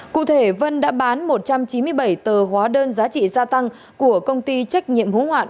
cụ thể vân đã bán một trăm chín mươi bảy tờ hóa đơn giá trị gia tăng của công ty trách nhiệm hữu hoạn